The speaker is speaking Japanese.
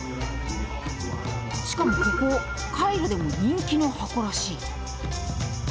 しかもここカイロでも人気の箱らしい。